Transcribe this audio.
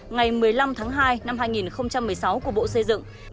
ngày một mươi năm tháng hai năm hai nghìn một mươi sáu của bộ xây dựng